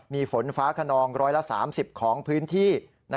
มีฝนฟ้าคนองร้อยละ๓๐ของพื้นที่